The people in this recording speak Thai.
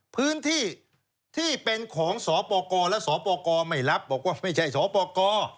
พื้นที่ที่เป็นของสปกรและสปกรไม่รับบอกว่าไม่ใช่สปกร